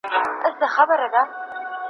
د داستان په تحقیق کي زمانه په نظر کي ونیسئ.